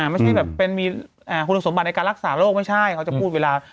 ไม่ใช่แบบเป็นมีคุณสมบัติในการรักษาโรคไม่ใช่เขาจะพูดเวลา